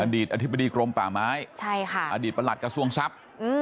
อดีตอธิบดีกรมป่าไม้อดีตประหลัดกระทรวงทรัพย์